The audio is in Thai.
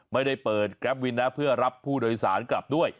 ไม่ได้เปิดแกรปวินนะเพื่อรับผู้โดยสารกลับด้วย